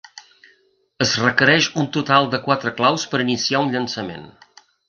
Es requereix un total de quatre claus per iniciar un llançament.